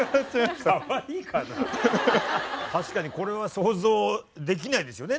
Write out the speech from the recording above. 確かにこれは想像できないですよね